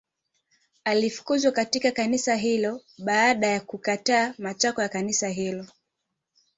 Alifukuzwa katika kanisa hilo baada ya kukataa matakwa ya kanisa hilo